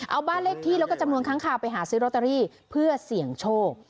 เอาบ้านเลขที่แล้วก็จำนวนค้างคาวไปหาซื้อโรตเตอรี่เพื่อเสี่ยงโชค